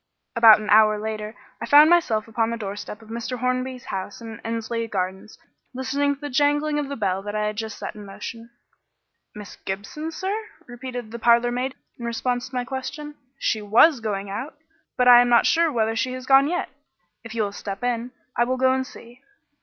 About an hour later I found myself upon the doorstep of Mr. Hornby's house in Endsley Gardens listening to the jangling of the bell that I had just set in motion. "Miss Gibson, sir?" repeated the parlourmaid in response to my question. "She was going out, but I am not sure whether she has gone yet. If you will step in, I will go and see."